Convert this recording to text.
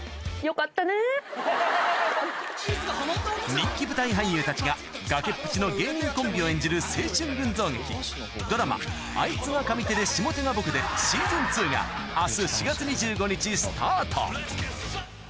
人気舞台俳優たちが崖っぷちの芸人コンビを演じる青春群像劇ドラマ『あいつが上手で下手が僕でシーズン２』が明日４月２５日スタート